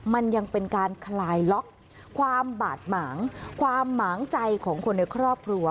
มันยังเป็นการคลายล็อกความบาดหมางความหมางใจของคนในครอบครัว